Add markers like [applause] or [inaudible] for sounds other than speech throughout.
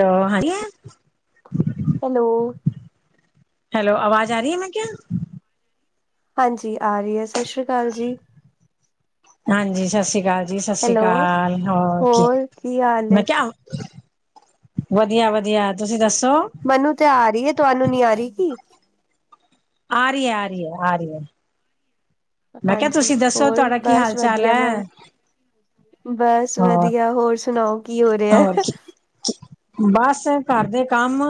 Hello, ਹੈਗੇ ਆ? Hello, ਅਵਾਜ਼ ਆਰੀ ਐ, ਮੈਂ ਕਿਆ? ਹਾਂਜੀ, ਆ ਰੀ ਐ, ਸ਼ਸ਼ਰੀ ਕਾਲ ਜੀ। ਹਾਂਜੀ, ਸਸਰੀ ਕਾਲ ਜੀ, ਸਸਰੀ ਕਾਲ, ਹੋਰ ਕੀ? ਮੈਂ ਕਿਆ- ਵਧੀਆ-ਵਧੀਆ, ਤੁਸੀ ਦੱਸੋ? ਮਨੂੰ ਤੇ ਆ ਰੀ ਏ, ਤੁਆਨੂੰ ਨੀ ਆ ਰੀ ਕੀ? ਆਰੀ ਏ, ਆਰੀ ਏ, ਆਰੀ ਏ। ਹਾਂਜੀ, ਹੋਰ, ਬਸ ਵਧੀਆ ਮੈ। ਬਸ ਵਧੀਆ, ਹੋਰ ਸੁਣਾਓ? ਹੋਰ ਕੀ, ਬਸ ਘਰ ਦੇ ਕੰਮ।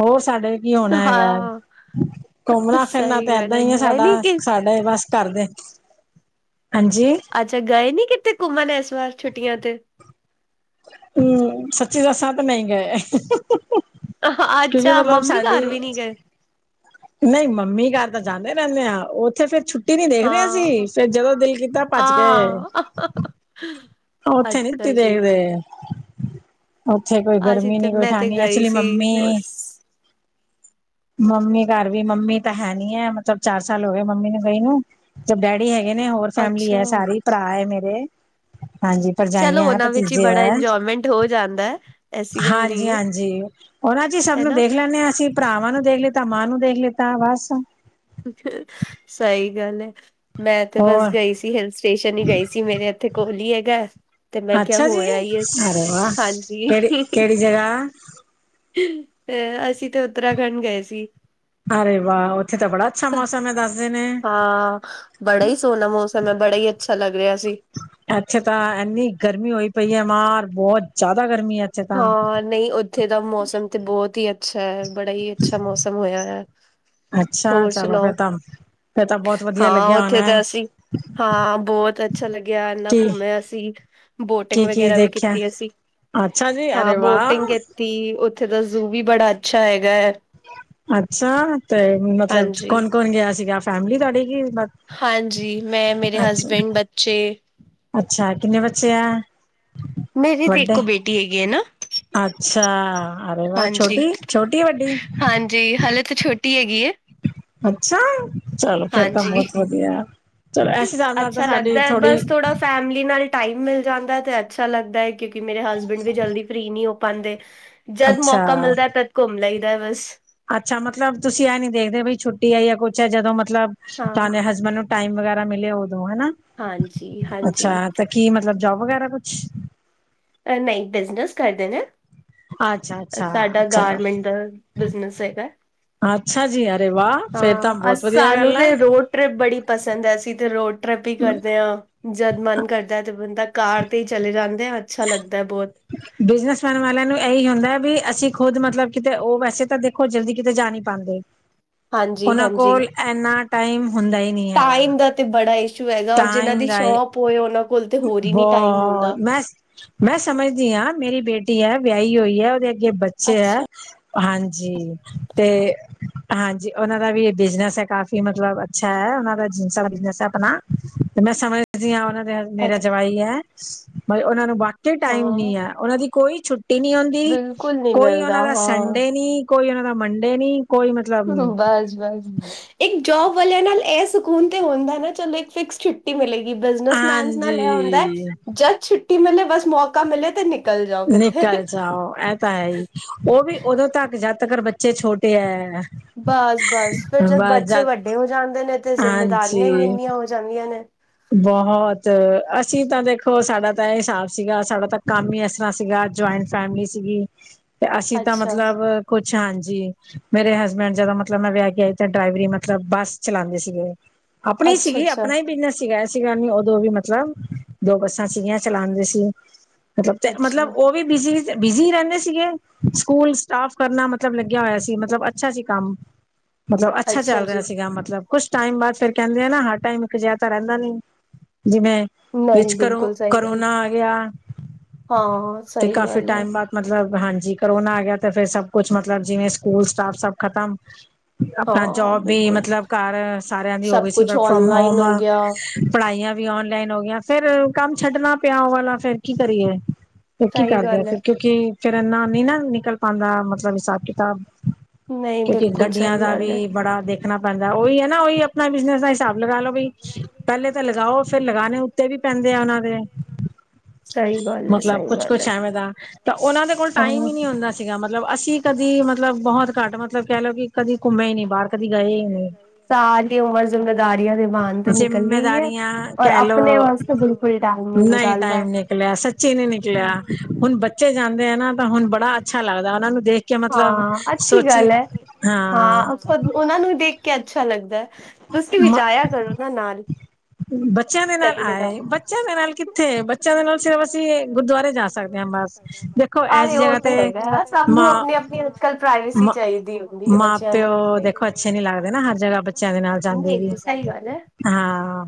ਹੋਰ ਸਾਡੇ ਕੀ ਹੋਣਾ ਹੈਗਾ, ਘੁੰਮਣਾ-ਫਿਰਨਾ ਤਾਂ ਐਦਾਂ ਈ ਏ ਸਾਡਾ, ਸਾ- ਡੇ, ਬਸ ਘਰਦੇ, ਹਾਂਜੀ? ਅੱਛਾ ਗਏ ਨੀ ਕਿੱਥੇ ਘੁੰਮਣ? ਇਸ ਵਾਰ ਛੁੱਟੀਆਂ ਤੇ। ਊਂਂ, ਸੱਚੀ ਦੱਸਾਂ ਤੇ ਨ‌ਈ ਗਏ। ਅੱਚਾ, ਮੰਮੀ ਘਰ ਵੀ ਨੀ ਗਏ? ਨਈ ਮੰਮੀ ਘਰ ਤਾਂ ਜਾਂਨੇ ਰੈਂਨੇ ਆ, ਓਥੇ ਫੇਰ ਛੁੱ- ਟੀ ਨੀ ਦੇਖਦੇ ਅਸੀਂ, ਫੇਰ ਜਦੋਂ ਦਿਲ ਕੀਤਾ ਭੱਜਕੇ। ਓਥੇ ਨੀ ਟੀ ਦੇਖਦੇ। ਉੱਥੇ ਕੋਈ ਗਰਮੀ ਨੀ, ਕੋਈ ਠੰਡ ਨੀ, ਐਕਚਲੀ ਮੰਮੀ ਮੰਮੀ ਘਰ ਵੀ ਮੰਮੀ ਤਾਂ ਹੈ ਨੀ ਹੈ, ਮਤਲਬ ਚਾਰ ਸਾਲ ਹੋ ਗਏ ਮੰਮੀ ਨੂੰ ਗਈ ਨੂੰ। ਜ ਡੈਡੀ ਹੈਗੇ ਨੇ, ਹੋਰ ਫੈਮਿਲੀ ਹੈ ਸਾਰੀ, ਭਰਾ ਏ ਮੇਰੇ, ਹਾਂਜੀ। ਭਰਜਾਈਆਂ ਐ, ਭਤੀਜੇ ਐ, ਹਾਂਜੀ-ਹਾਂਜੀ। ਓਨਾਂ ਚੀ ਸਭ ਨੂੰ ਦੇਖ ਲੈਂਨੇ ਆ ਅਸੀਂ, ਭਰਾਵਾਂ ਨੂੰ ਦੇਖ ਲਿੱਤਾ, ਮਾਂ ਨੂੰ ਦੇਖ ਲਿੱਤਾ ਬਸ। ਸਹੀ ਗੱਲ ਏ। ਮੈਂ‌ ਤੇ ਬਸ ਗਈ ਸੀ, ਹਿਲ ਸਟੇਸ਼ਨ ਹੀ ਗਈ ਸੀ ਮੇਰੇ ਇੱਥੇ ਕੋਲ ਹੀ ਹੈਗਾ। ਤੇ ਮੈਂ ਕਿਆ ਹੋ ਆਈਏ, ਹਾਂਜੀ। ਅ ਅਸੀਂ ਤਾ, ਉੱਤਰਾਖੰਡ ਗਏ ਸੀ। ਅਰੇ ਵਾਹ, ਉੱਥੇ ਤਾ ਬੜਾ ਅੱਛਾ ਮੌਸਮ ਏ, ਦੱਸਦੇ ਨੇ। ਹਾਂ ਬੜਾ ਈ ਸੋਹਣਾ ਮੌਸਮ ਏ, ਬੜਾ ਈ ਅੱਛਾ ਲੱਗ ਰਿਹਾ ਸੀ। ਐਥੇ ਤਾਂ ਐੰਨੀ ਗਰਮੀ ਹੋਈ ਪਈ ਆ, ਮਾਰ ਬਹੁਤ ਜਿਆਦਾ ਗਰਮੀ ਐ। ਹਾਂ-ਨਹੀਂ, ਉੱਥੇ ਦਾ ਮੌਸਮ ਤੇ ਬਹੁਤ ਹੀ ਅੱਛਾ ਏ, ਬੜਾ ਹੀ ਅੱਛਾ ਮੌਸਮ ਹੋਇਆ ਹੈ। ਅੱਛਾ, ਚਲੋ ਫਿਰ ਤਾਂ, ਫੇਰ ਤਾਂ ਬਹੁਤ ਵਧੀਆ ਲੱਗਿਆ, ਆਣਾ ਐ। ਹਾਂ, ਬਹੁਤ ਅੱਛਾ ਲੱਗਿਆ, ਇੰਨਾ ਘੁੰਮੇ ਅਸੀ। ਬੋਟਿੰਗ ਵਗੈਰਾ ਵੀ ਕੀਤੀ ਅਸੀ। ਅੱਛਾ ਜੀ। ਹਾਂ ਬੋਟਿੰਗ ਕੀਤੀ ਓਥੇ ਦਾ ਜ਼ੂ ਵੀ ਬੜਾ ਅੱਛਾ ਹੈਗਾ ਐ। ਅੱਛਾ ਤੇ ਮਤਲਬ ਕੌਣ-ਕੌਣ ਗੇਆ ਸੀਗਾ ਫੈਮਲੀ ਤੁਆਡੀੇ ਕੀ ਬਾ ਹਾਂਜੀ ਮੈਂ ਮੇਰੇ ਹਸਬੈਂਡ ਬੱਚੇ ਅੱਛਾ ਕਿੰਨੇ ਬੱਚੇ ਆ, ਵੋਡ ਅੱਛਾ ਅਰੇ ਵਾ ਛੋਟੀ ਛੋਟੀ ਵੱਡੀ ਹਾਂਜੀ ਹਲੇੇ ਤਾਂ ਛੋਟੀ ਟੀ ਹੈਗੀ ਏ ਅੱਛਾ, ਚਲੋ ਫੇਰ ਤਾਂ ਬਹੋਤ ਵਧੀਆ ਚਲੋ ਐਸੇ ਸਾਬ ਨਾਲ ਤਾਂ ਸਾਡੀ ਥੋੜੀ ਫੈਮਲੀ ਨਾਲ ਟੈਮ ਮੇਲ ਜਾਂਦਾ ਐ ਤੇ ਅੱਛਾ ਲੱਗਦਾ ਐ ਕਿਉਂਕੀ ਮੇਰੇ ਹਸਬੈਂਡ ਵੀ ਜਲਦੀ ਫ੍ਰੀ ਨੀ ਹੋ ਪਾਦੇ ਜਦ ਮੌਕਾ ਮੇਲਦਾ ਤਦ ਘੁੰਮ ਲਈਦਾ ਬਸ ਅੱਛਾ ਮਤਲਬ ਤੁਸੀਂ ਐ ਨੀ ਦੇਖਦੇ ਬਈ ਛੁੱਟੀ ਐ ਜਾਂ ਕੁਛ ਐ ਜਦੋਂ ਮਤਲਬ ਤੁਡੇ ਹੈਸਬੈਂਡ ਨੂੰ ਟਾਈਮ ਵਗੈਰਾ ਮੀਲੇ ਓਦੋਂ ਹਨਾ। ਹਾਂਜੀ-ਹਾਂਜੀ। ਕੀ ਮਤਲਬ ਜੋਬ ਵਗੈਰਾ ਕੁਛ ਐ ਨਈ ਬੀਜਨਸ ਕਰਦੇ ਨੇ? ਆਛਾ ਸਾਡਾ ਗਾਰਮੈਂਟ ਦਾ, ਬੀਜਨਸ ਹੈਗਾ ਆ। ਆਛਾ ਜੀ ਅਰੇ ਵਾ ਫੇਰ ਤਾਂ ਬੌਤ ਵਧੀਆ ਗੱਲ ਐ। ਟਰੀਪ ਬੜੀ ਪਸੰਦ ਐ ਅਸੀਂ ਤੇ ਰੋਡ ਟ੍ਰੈਪ ਈ ਕਰਦੇ ਆਂ ਜਦ ਮਨ ਕਰਦਾ ਤੇ ਬੰਦਾ ਕਾਰ ਤੇ ਈ ਚਲੇ ਜਾਂਦੇ ਆ ਅੱਛਾ ਲੱਗਦਾ ਬੌ ਬੀਜਨਸਮੈਨ ਵਾਲੇਆਂ ਨੂੰ ਐਈ ਹੁੰਦਾ ਵੀ ਅਸੀਂ ਖੁੱਦ ਮਤਲਬ ਕੀਤੇ ਓ ਵੈਸੇ ਤਾਂ ਦੇਖੋ ਜਲਦੀ ਕੀਤੇ ਜਾ ਨੀ ਪਾਦੇ ਓਨਾਂ ਕੋਲ ਐਨਾ ਟਾਈਮ ਹੁੰਦਾ ਨੀ ਹੈਗਾ, ਟਾਈਮ ਦਾ ਏ ਬਹੁ ਮੈਂ ਮੈਂ ਸਮਝਦੀ ਆਂ ਮੇਰੀ ਬੇਟੀ ਆ ਵੈਆਈ ਹੋਈ ਐ ਓਦੇ ਅੱਗੇ ਬੱਚੇ ਐ ਹਾਂਜੀ ਤੇ ਹਾਂਜੀ ਓਨਾਂ ਦਾ ਵੀ ਬੀਜਨਸ ਐ ਕਾਫ਼ੀ ਮਤਲਬ ਅੱਛਾ ਐ ਓਨਾਂ ਦਾ ਜੀਨਸਾਂ ਦਾ ਬੀਜਨਸ ਐ ਅਪਣਾ ਤੇ ਮੈਂ ਸਮਝਦੀ ਆਂ ਓਨਾਂ ਨੂੰ ਮੇਰਾ ਜਵਾਈ ਐ, ਮਾ ਓਨਾਂ ਨੂੰ ਵਕਈ ਟਾਈਮ ਨੀ ਐ ਓਨਾਂ ਦੀ ਕੋਈ ਛੁੱ ਟੀ ਨੀ ਔਦੀ ਕੋਈ ਓਨਾਂ ਦਾ ਸੰਡੇ ਨੀ ਕੋਈ ਓਨਾਂ ਦਾ ਮੰਡੇ ਨੀ ਕੋਈ ਮਾ ਬਾਸ-ਬਾਸ ਇੱਕ ਜੋਬ ਵਾਲੇਆਂ ਨਾਲ ਏ ਸਕੂਨ ਤੇ ਹੁੰਦਾ ਨਾ ਚਲੋ ਇੱਕ ਫੀਕਸ ਛੁ ਛੁੱਟੀ ਮਿਲੇਗੀ ਬੀਜਨਸ ਮੈਨ ਨਾਲ ਐ ਹੁੰਦਾ ਐ ਜਦ ਛੁੱਟੀ ਮੀਲੇ ਬਸ ਮੌਕਾ ਮੀਲੇ ਤੇ ਨੀਕ ਨਿਕਲ ਜਾਓ ਐ ਤਾਂ ਹੈ ਈ ਓਵੀ ਉਦੋਂ ਤੱਕ ਜਦ ਤੱਕ ਬੱਚੇ ਛੋਟੇ ਐ। ਬਾਸ-ਬਾਸ ਫੇਰ ਜਦ ਬੱਚੇ ਵੱਡੇ ਹੋ ਜਾਂਦੇ ਨੇ ਤੇ ਜਿੰਮੇਦਾਰੀਆਂ ਈ ਏਨੀਆਂ ਹੋ ਜਾਂਦੀਆਂ ਨੇ ਬਹੋਤ ਅਸੀਂ ਤਾਂ ਦੇਖੋ ਸਾਡਾ ਤਾਂ ਐ ਸਾਬ ਸੀਗਾ ਸਾਡਾ ਤਾਂ ਕੰਮ ਈ ਏਸ ਤਾ ਸੀਗਾ ਜੁਐਂਟ ਫੈਮਿਲੀ ਸੀਗੀ ਤੇ ਅਸੀਂ ਤਾਂ ਮਤਲਬ ਕੁਛ ਹਾਂਜੀ ਮੇਰੇ ਹਸਬੈਂਡ ਜਦੋਂ ਮਤਲਬ ਮੈਂ ਵੇਆ ਕੇ ਆਈ ਤਾਂ ਡਰਾਈਵਰੀ ਮਤਲਬ ਬੱਸ ਚਲਾਦੇ ਸੀਗੇ। ਆਪਣੀ ਸੀਗੀ ਆਪਣਾ ਈ ਬੀਜਨਸ ਸੀਗਾ, ਸੀਗਾ ਨ ਉਦੋਂ ਵੀ ਮਤਲਬ ਦੋ ਬੱਸਾਂ ਸੀਗੀਆਂ ਚਲਾਦੇ ਸੀ ਮਤਲਬ ਤੇ ਮਤਲਬ ਓ ਵੀ ਬੀਜੀ ਬੀਜੀ ਰੈਂਦੇ ਸੀਗੇ ਸਕੂਲ ਸਟਾਫ ਕਰਨਾ ਮਤਲਬ ਲਗੇਆ ਹੋਏਆ ਸੀ ਮਤਲਬ ਅੱਛਾ ਸੀ ਕੰਮ ਮਤਲਬ ਅੱਛਾ ਚੱਲ ਰੇਆ ਸੀਗਾ ਮਤਲਬ ਕੁੱਛ ਟੈਮ ਬਾਦ ਫਿਰ ਕੈਦੇ ਨਾ ਹਰ ਟੈਮ ਇੱਕ ਜ ਤਾਂ ਰੈਂਦਾ ਨੀ ਜੀਵੇਂ ਵੀਚ ਕਰੋ ਕਰੋਨਾ ਆ ਗੇਆ ਤੇ ਕਾਫੀ ਟੈਮ ਬਾਦ ਮਤਲਬ ਹਾਂਜੀ ਕਰੋਨਾ ਆ ਗੇਆ ਤੇ ਫੇਰ ਸਭ ਕੁਛ ਮਤਲਬ ਜੇਵੇਂ ਸਕੂਲ ਸਟਾਫ ਸਬ ਖਤਮ ਆਪਣਾ ਜੋਬ ਵੀ ਮਤਲਬ ਘਰ ਸਾਰੇਆਂ ਦੀ ਹੋ ਗਈ ਸੀ ਵਰਕ ਫਰੋਮ ਹੋਮ ਪੜਾਈਆਂ ਵੀ ਆਨਲਾਈਨ ਹੋ ਗਈਆਂ, ਫਿਰ ਕੰਮ ਛੱਡਣਾ ਪਿਆ। ਉਹ ਵਾਲਾ ਫਿਰ ਕੀ ਕਰੀਏ? ਕੀ ਕਰਦੇ ਆ ਸਰ ਕਿਉਂਕਿ ਤੇਰਾ ਨਾਮ ਨਹੀਂ ਨਾ ਨਿਕਲ ਪਾਂਦਾ ਮਤਲਬ ਹਿਸਾਬ-ਕਿਤਾਬ ਕਿਉਂਕਿ ਗੱਡੀਆਂ ਦਾ ਵੀ ਬੜਾ ਦੇਖਣਾ ਪੈਂਦਾ ਉਹੀ ਹੈ ਨਾ ਉਹੀ ਆਪਣਾ ਬਿਜਨਸ ਦਾ ਹਿਸਾਬ ਲਗਾ ਲਓ ਵੀ ਪਹਿਲੇ ਤਾਂ ਲਗਾਓ ਫੇਰ ਲਗਾਣੇ ਉੱਤੇ ਵੀ ਪੈਂਦੇ ਆ ਉਹਨਾਂ ਦੇ ਮਤਲਬ ਕੁਛ ਕੁਛ ਐਵੇਂ ਦਾ ਤਾਂ ਉਹਨਾਂ ਦੇ ਕੋਲ ਟਾਈਮ ਹੀ ਨਹੀਂ ਹੁੰਦਾ ਸੀਗਾ ਮਤਲਬ ਅਸੀਂ ਕਦੀ ਮਤਲਬ ਬਹੁਤ ਘੱਟ ਮਤਲਬ ਕਹਿ ਲਓ ਕਿ ਕਦੀ ਘੁੰਮੇ ਹੀ ਨਹੀਂ ਬਾਹਰ ਕਦੇ ਗਏ ਹੀ ਨਹੀਂ। ਸਾਰੀ ਉਮਰ ਜ਼ਿੰਮੇਦਾਰੀਆਂ ਦੇ ਜਿੰਮੇਦਾਰੀਆਂ ਕਹਿ ਲੋੋ ਨਹੀਂ ਟਾਈਮ ਨ ਨਿਕਲਿਆ ਸੱਚੀ ਨੇ ਨਿਕਲਿਆ ਹੁਣ ਬੱਚੇ ਜਾਂਦੇ ਆ ਨਾ ਤਾਂ ਹੁਣ ਬੜਾ ਅੱਛਾ ਲੱਗਦਾ ਉਹਨਾਂ ਨੂੰ ਦੇਖ ਕੇ ਕਿ ਮਤਲਬ ਸੋਚੀ ਹਾਂ ਉਹਨਾਂ ਨੂੰ ਵੀ ਦੇਖ ਕੇ ਅੱਛਾ ਲੱਗਦਾ ਤੁਸੀਂ ਵੀ ਜਾਇਆ ਕਰੋ ਉਹਨਾਂ ਨਾਲ। ਬੱਚਿਆਂ ਦੇ ਨਾਲ ਆਏ ਬੱਚਿਆਂ ਦੇ ਨਾਲ ਕਿੱਥੇ ਬੱਚਿਆਂ ਦੇ ਨਾਲ ਸਿਰਫ ਅਸੀਂ ਗੁਰਦੁਆਰੇ ਜਾ ਸਕਦੇ ਹਾਂ ਬਸ। ਦੇਖੋ ਏਸੀ ਜਗ੍ਹਾ ਤੇ ਮਾਂ ਮਾਂ-ਪਿਓ ਦੇਖੋ ਅੱਛੇ ਨੀ ਲੱਗਦੇ ਨਾ ਹਰ ਜਗ੍ਹਾ ਬੱਚਿਆਂ ਦੇ ਨਾਲ ਜਾਂਦੇ ਵੀ ਹਾਂ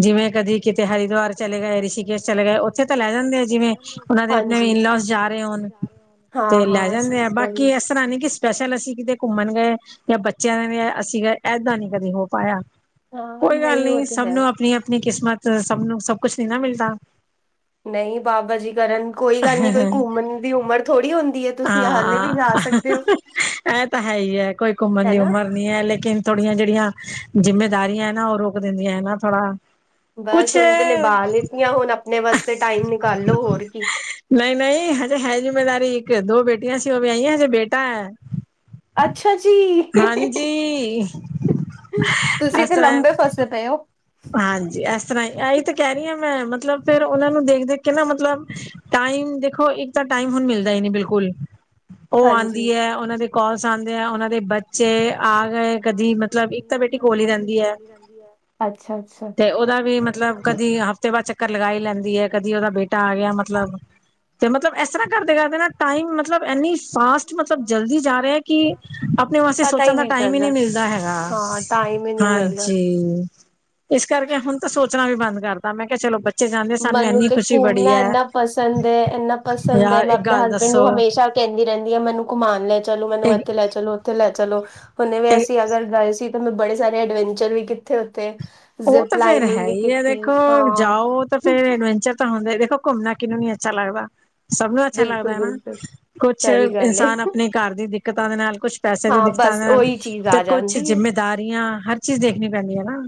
ਜਿਵੇਂ ਕਦੀ ਕਿਤੇ ਹਰਿਦੁਆਰ ਚਲੇ ਗਏ ਰਿਸ਼ੀਕੇਸ਼ ਚਲੇ ਗਏ ਉੱਥੇ ਤਾਂ ਲੈ ਜਾਂਦੇ ਆ ਜਿਵੇਂ ਉਹਨਾਂ ਦੇ ਆਪਣੇ ਇਨਲਸ ਜਾ ਰਹੇ ਹੋਣ ਤੇ ਲੈ ਜਾਂਦੇ ਆ ਬਕ ਕਿ ਇਸ ਤਰ੍ਹਾਂ ਨਹੀ ਕਿ ਸਪੈਸ਼ਲ ਅਸੀਂ ਕਿਤੇ ਘੁੰਮਣ ਗਏ ਜਾਂ ਬੱਚਿਆਂ ਅਸੀਂ ਨਹੀਂ ਕਦੇ ਹੋ ਪਾਇਆ ਕੋਈ ਗੱਲ ਨਹੀਂ ਸਭ ਨੂੰ ਆਪਣੀ ਆਪਣੀ ਕਿਸਮਤ ਸਭ ਨੂੰ ਸਭ ਕੁਛ ਨੀ ਨਾ ਮਿਲਦਾ। ਨਹੀਂ ਬਾਬਾ ਜੀ ਕਰਨ ਕੋਈ ਗੱਲ ਨਹੀਂ ਕੋਈ ਘੁੰਮਣ ਦੀ ਉਮਰ ਥੋੜ੍ਹੀ ਹੁੰਦੀ ਹੈ ਤੁਸੀਂ ਹਾਲੇ ਵੀ ਜਾ ਸਕਦੇ ਹੋ। ਇਹ ਤਾਂ ਹੈ ਹੀ ਹੈ ਕੋਈ ਘੁੰਮਰ ਨੀ ਉਮਰ ਲੇਕਿਨ ਥੋੜੀਆਂ ਜਿਹੜੀਆਂ ਜਿੰਮੇਦਾਰੀਆਂ ਨਾ ਉਹ ਰੋਕ ਦਿੰਦੀਆਂ ਹੈ ਨਾ ਥੋੜਾ। ਬਸ ਹੁਣ ਤੇ ਨਿਭਾ ਲਿੱਤੀਆਂ ਹੁਣ ਆਪਣੇ ਵਾਸਤੇ ਟਾਈਮ ਨਿਕਾਲੋ ਹੋਰ ਕੀ। ਨਹੀਂ, ਨਹੀਂ ਹਜੇ ਹੈ ਜ਼ਿੰਮੇਦਾਰੀ ਇੱਕ ਦੋ ਬੇਟੀਆਂ ਸੀ ਉਹ ਵਿਆਈਆ ਸੀ ਹਜੇ ਬੇਟਾ ਹੈ। ਅੱਛਾ ਜੀ ਤੁਸੀਂ ਤੇ ਲੰਬੇ ਫਸ ਦੇ ਪਏ ਹੋ। ਹਾਂਜੀ ਇਸ ਤਰ੍ਹਾਂ ਹੀ ਇਹੀ ਤਾਂ ਕਹਿ ਰਹੀ ਹਾਂ ਮੈਂ ਮਤਲਬ ਫੇਰ ਉਹਨਾਂ ਨੂੰ ਦੇਖ, ਦੇਖ ਕੇ ਨਾ ਮਤਲਬ ਟਾਈਮ ਦੇਖੋ ਇੱਕ ਤਾਂ ਟਾਈਮ ਹੁਣ ਮਿਲਦਾ ਹੀ ਨਹੀਂ ਬਿਲਕੁਲ ਉਹ ਆਉਂਦੀ ਹੈ ਉਹਨਾਂ ਦੇ ਕੋਲਸ ਆਉਂਦੇ ਹੈ ਉਹਨਾਂ ਦੇ ਬ- ਬਚੇ ਆ ਗਏ ਕਦੀ ਮਤਲਬ ਇੱਕ ਤਾਂ ਬੇਟੀ ਕੋਲ ਹੀ ਰਹਿੰਦੀ ਹੈ। [inaudible] ਅੱਛਾ, ਅੱਛਾ। ਤੇ ਉਹਦਾ ਵੀ ਮਤਲਬ ਕਦੀ ਹਫ਼ਤੇ ਬਾਅਦ ਚੱਕਰ ਲਗਾਈ ਲੈਂਦੀ ਹੈ ਕਦੀ ਉਹਦਾ ਬੇਟਾ ਆ ਗਿਆ ਮਤਲਬ ਤੇ ਮਤਲਬ ਇਸ ਤਰ੍ਹਾਂ ਕਰਦੇ, ਕਰਦੇ ਨਾ ਟਾਈਮ ਮਤਲਬ ਇੰਨੀ ਫਾਸਟ ਮਤਲਬ ਜਲਦੀ ਜਾ ਰਿਹਾ ਕਿ ਆਪਣੇ ਵਾਸਤੇ ਸੋਚਣ ਦਾ ਟਾਈਮ ਹੀ ਨਹੀਂ ਮਿਲਦਾ ਹੈਗਾ। ਹਾਂਜੀ, ਇਸ ਕਰਕੇ ਹੁਣ ਤਾਂ ਸੋਚਣਾ ਵੀ ਬੰਦ ਕਰਤਾ, ਮੈਂ ਕਿਆ ਚਲੋ ਬੱ ਮੈਨੂੰ ਤੇ ਕੂਮਣਾ ਏੰਨਾ ਪਸੰਦ ਐ ਏੰਨਾ ਪਸੰਦ ਐ ਮੈਂ ਅਪਣੇ ਹਸਬੈਂਡ ਨੂੰ ਹਮੇਸ਼ਾ ਕੈੰਦੀ ਰੈੰਦੀ ਆਂ ਮੈਨੂੰ ਘੁਮਾਨ ਲੈ ਚਲੋ, ਮੈਨੂੰ ਐਥੇ ਲੈ ਚਲੋ ਔਥੇ ਲੈ ਚਲੋ। ਹੁਨੇ ਵੀ ਅਸੀਂ ਅਗਰ ਗਏ ਸੀ ਤੇ ਮੈਂ ਬੜੇ ਸਾਰੇ ਐਡਵੈਂਚਰ ਵੀ ਕੀੱਥੇ ਓਥੇ। ਓ ਤਾਂ ਫੇਰ ਹੈ ਈ ਐ ਦੇਖੋ, ਜਾਓ ਤੇ ਫੇਰ ਐਡਵੈਂਚਰ ਤਾਂ ਹੁੰਦੇ, ਦੇਖੋ ਘੁੰਮਣਾ ਕਿਨੂੰ ਨੀ ਅੱਛਾ ਲੱਗਦਾ। ਸਭ ਨੂੰ ਅੱਛਾ ਲੱਗਦਾ ਐ ਨਾ। ਕੁਛ ਇਨਸਾਨ ਆਪਣੇ ਘਰ ਦੀ ਦਿੱਕਤਾਂ ਦੇ ਨਾਲ ਕੁਛ ਪੈਸੇ ਦੀ ਦਿੱਕਤਾਂ ਨਾਲ ਤੇ ਕੁਛ ਜਿੰਮੇਦਾਰੀਆਂ, ਹਰ ਚੀਜ਼ ਦੇਖਣੀ ਪੈਂਦੀ ਏ ਨਾ।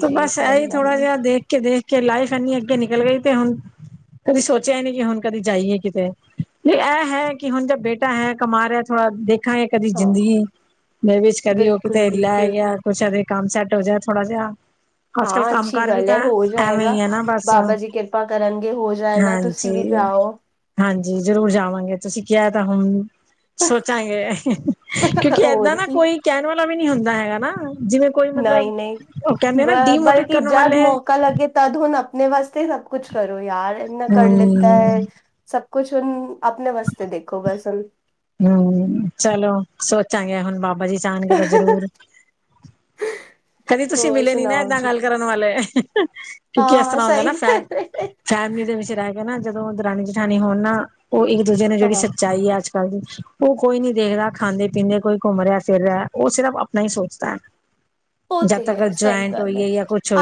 ਤੇ ਬਸ ਐਹੀ, ਥੋੜ੍ਹਾ ਜਾ ਦੇਖ ਕੇ-ਦੇਖ ਕੇ ਲਾਈਫ ਐਨੀ ਅੱਗੇ ਨਿਕਲ ਗਈ, ਤੇ ਹੁਣ ਕਦੀ ਸੋਚਿਆ ਨੀ ਸੀ, ਕਿ ਹੁਣ ਕਦੀ ਜਾਈਏ ਕਿਤੇ। ਵੀ ਐ ਹੈ ਕਿ ਹੁਣ ਜਬ ਬੇਟਾ ਹੈ, ਕਮਾ ਰਿਐ ਥੋੜ੍ਹਾ ਦੇਖ ਖਾਂਗੇ, ਕਦੀ ਜ਼ਿੰਦਗੀ ਦੇ ਵਿੱਚ ਕਦੀ ਓ ਕਿਤੇ ਲੈ ਗਿਆ, ਕੁਛ ਐਦੇ ਕੰਮ ਸੈੱਟ ਹੋ ਜਾ ਥੋੜਾ ਜਾ। ਹਾਂ, ਅੱਛੀ ਗੱਲ ਐ ਹੋ ਜਾਏਗਾ। ਬਾਬਾ ਜੀ ਕਿਰਪਾ ਕਰਨਗੇ ਹੋ ਜਾਏਗਾ, ਤੁਸ ਸੀਂ ਵੀ ਜਾਓ। ਹਾਂਜੀ, ਜ਼ਰੂਰ ਜਾਵਾਂਗੇ, ਤੁਸੀਂ ਕਿਆ ਤੇ ਹੁਣ ਸੋਚਾਂਗੇ, ਕਿਉਂਕਿ ਏਦਾਂ ਨਾ ਕੋਈ ਕੈਹਣ ਵਾਲਾ ਵੀ ਨੀ ਹੁੰਦਾ ਹੈਗਾ ਨਾ। ਜਿਵੇਂ ਕੋਈ ਮਤਲਬ ਏ ਬਲਕਿ ਜਦ ਮੌਕਾ ਲੱਗੇ ਤਦ ਹੁਣ ਆਪਣੇ ਵਾਸਤੇ ਸਭ ਕੁਛ ਕਰੋ ਯਾਰ, ਏਨਾ ਕਰ ਲਿੱਤਾ ਐ। ਸਭ ਕੁਛ ਹੁਣ ਆਪਣੇ ਵਾਸਤੇ ਦੇਖੋ, ਗਾਈਜ ਹੁਣ। ਹੂੰ, ਚਲੋ ਸੋਚਾਂਗੇ, ਹੁਣ ਬਾਬਾ ਜੀ ਜਾਣਗੇ ਤਾਂ ਜਰੂਰ। ਕਦੀ ਤੁਸੀਂ ਮਿਲੇ ਨੀ ਨਾ, ਏਦਾਂ ਗੱਲ ਕਰਨ ਵਾਲੇ, ਕਿਉਂਕਿ ਏਸ ਤਰ੍ਹਾਂ ਹੁੰਦੈ ਨਾ ਫੈਨ ਫੈਮਲੀ ਦੇ ਵਿੱਚ ਰੈਹਕੇ ਨਾ, ਜਦੋਂ ਦਰਾਣੀ-ਜਠਾਣੀ ਹੋਣ ਨਾ, ਓ ਇੱਕ ਦੂਜੇ ਨੇ ਜੇੜੀ ਸੱਚਾਈ ਆ, ਅੱਜ ਪਾਜੀ ਓ ਕੋਈ ਨੀ ਦੇਖਦਾ, ਖਾਂਦੇ-ਪੀਂਦੇ ਕੋਈ ਘੁੰਮ ਰਿਐ, ਫਿਰ ਰਿਐ, ਓ ਸਿਰਫ ਆਪਣਾ ਹੀ ਸੋਚਦੈ। [unintelligible] ਓਤੇ ਹੈ ਸਹੀ ਗੱਲ ਐ।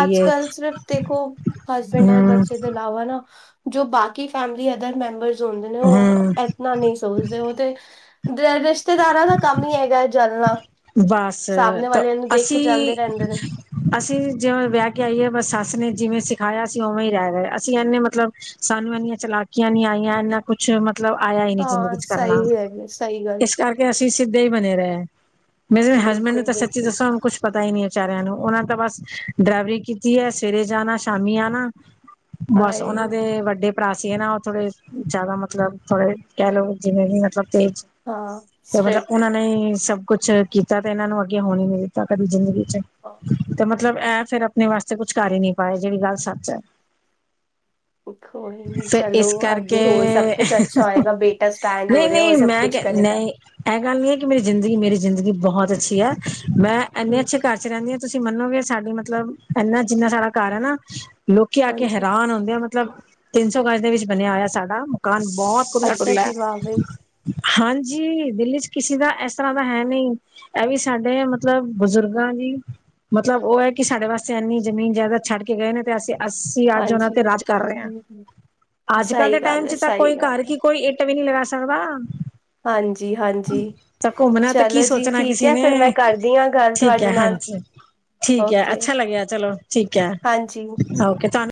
ਅੱਜ-ਕੱਲ ਸਿਰਫ ਦੇਖੋ, ਹੱਸਬੈਂਡ ਔਰ ਬੱਚ ਏਦੇ ਲਾਵਾ ਨਾ ਜੋ ਬਾਕੀ ਫੈਮਲੀ ਅਦਰ ਮੈਂਬਰਸ ਹੋੰਦੇ ਨੇ, ਓ ਏਤਨਾ ਨਹੀਂ ਸੋਚਦੇ। ਓ ਤੇ ਦੇ ਐ ਰਿਸ਼ਤੇਦਾਰਾਂ ਦਾ ਕੰਮ ਹੀ ਹੈਗਾ ਏ, ਜਲਣਾ। ਬਸ ਅਸੀਂ ਅਸੀਂ ਜਿਵੇਂ ਵਿਆ ਕੇ ਆਈਏ, ਬਸ ਸੱਸ ਨੇ ਜਿਵੇਂ ਸਿਖਾਯਾ‌, ਅਸੀਂ ਓਵੇਂ ਹੀ ਰੈ ਰਏ। ਅਸੀਂ ਐਨੇ ਮਤਲਬ ਸਾਨੂੰ ਐਨੀਆਂ ਚਲਾਕੀਆਂ ਨੀ ਆਈਆਂ, ਐਨਾ ਕੁਛ ਮਤ ਲਬ ਆਇਆ ਈ ਨਹੀਂ, ਜ਼ਿੰਦਗੀ ਚ ਕਰਨਾ। ਇਸ ਕਰਕੇ ਅਸੀਂ ਸਿੱਧੇ ਹੀ ਬਣੇ ਰਏ। ਮੇਰੇ ਹਸਬੈਂਡ ਨੂੰ ਤਾਂ ਸੱਚੀ ਦੱਸਾ, ਹੁਣ ਕੁਛ ਪਤਾ ਹੀ ਨੀ ਐ ਵਿਚਾਰਿਆਂ ਨੂੰ ਓਨਾਂ ਨੈ ਤਾਂ ਬਸ ਡਰੈਵਰੀ ਕੀਤੀ ਐ, ਸਵੇਰੇ ਜਾਣਾ, ਸ਼ਾਮੀ ਆਣਾ। ਬਸ ਓਨਾਂ ਦੇ ਵੱਡੇ ਭਰਾ ਸੀ ਏ ਨਾ, ਓ ਥੋੜੇ ਜੈਦਾ ਮਤਲਬ, ਥੋੜੇ ਕੈ ਲੋ ਜਿਵੇਂ ਵੀ ਮਤਲਬ ਤੇਜ਼ ਹਾਂ, ਸਟ੍ਰਿਕਟ। ਨਈ ਸਭ ਕੁੱਛ ਕੀਤਾ ਤੇ ਏਨਾਂ ਨੂੰ ਅੱਗੇ ਹੋਣ ਹੀ ਨੀ ਦਿੱਤਾ, ਕਦੀ ਜ਼ਿੰਦਗੀ ਚ। ਤੇ ਮਤਲ ਮਤਲਬ ਐ ਫੇਰ, ਅਆਪਣੇ ਵਾਸਤੇ ਕੁਛ ਕਰ ਹੀ ਨੀ ਪਾਏ, ਜੇੜੀ ਗੱਲ ਸੱਚ ਐ। ਤੇ ਏਹ ਕਰਕੇ ਨਈਂ-ਨਈਂ ਮੈਂ ਨਈ, ਐ ਗੱਲ ਨੀ ਐ, ਕਿ ਮੇਰੀ ਜ਼ਿੰਦਗੀ ਮੇਰੀ ਜ਼ਿੰਦਗੀ ਬਹੋਤ ਅੱਛੀ ਐ। ਮੈਂ ਐਨੇ ਅੱਛੇ ਘਰ ਚ ਰੈਂਣੀ ਆ, ਤੁਸੀਂ ਮੰਨੋਗੇ ਸਾਡੀ ਮਤਲਬ ਐਨਾ, ਜਿੰਨਾ ਸਾਡਾ ਘਰ ਐ ਨਾ ਲੋਕੀ ਆ ਕੇ ਹੈਰਾਨ ਹੋੰਦੇ ਆ, ਮਤਲਬ ਤਿੰਨ ਸੌ ਗਜ ਦੇ ਵਿੱਚ ਬਣੇਆ ਹੋਐ ਸਾਡਾ। ਮਕਾਨ ਬੌਤ ਖੁੱਲਾ ਡੁਲਾ ਐ। ਹਾਂਜੀ, ਦਿੱਲੀ ਚ ਕਿਸੀ ਦਾ ਐਸ ਤਰ੍ਹਾਂ ਦਾ ਹੈ ਨੀ। ਐ ਵੀ ਸਾਡੇ, ਮਤਲਬ ਬਜ਼ੁਰਗਾਂ ਦੀ ਮਤਲਬ ਓ ਐ, ਕਿ ਸਾਡੇ ਵਾਸਤੇ ਐਨੀ ਜ਼ਮੀਨ ਜਾਏਦਾਦ ਛੱਡ ਕੇ ਗਏ ਨੇ, ਤੇ ਅਸੀਂ ਅਸ ਤੇ ਅੱਜ ਓਨਾਂ ਤੇ ਰਾਜ ਕਰ ਰਹੇ ਆਂ। ਅੱਜਕੱਲ੍ਹ ਦੇ ਟਾਈਮ ਚ ਤਾਂ, ਕੋਈ ਘਰ ਕੀ ਕੋਈ ਇੱਟ ਵੀ ਨੀ ਲਗਾ ਸਕਦਾ। ਤਾਂ ਘੁੰਮਣਾ ਤਾਂ ਕੀ ਸੋਚਣਾ ਨਾ ਕਿਸੀ ਨੇ ਠੀਕ ਹੈ, ਹਾਂਜੀ। ਠੀਕ ਹੈ ਅੱਛਾ ਲੱਗਿਆ ਚਲੋ ਠੀਕ ਹੈ ਓਕੇ ਤੁਹਾਨੂੰ